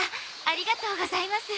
ありがとうございます。